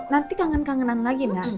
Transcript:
nanti kangen kangenan lagi nak